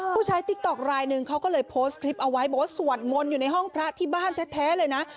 ใช้ติ๊กต๊อกลายหนึ่งเขาก็เลยโพสต์คลิปเอาไว้บอกว่าสวดมนต์อยู่ในห้องพระที่บ้านแท้เลยนะ